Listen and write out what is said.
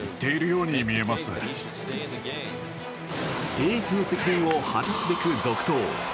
エースの責任を果たすべく続投。